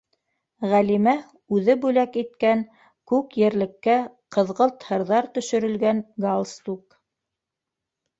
Ғәлимә үҙе бүләк иткән күк ерлеккә ҡыҙғылт һырҙар төшөрөлгән галстук.